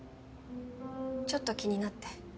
ちょっと気になって。